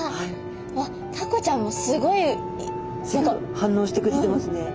反応してくれてますね。